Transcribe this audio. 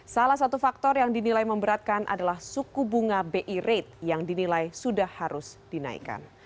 salah satu faktor yang dinilai memberatkan adalah suku bunga bi rate yang dinilai sudah harus dinaikkan